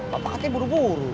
pak pak katanya buru buru